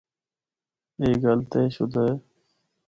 اے گل طے شدہ ہے۔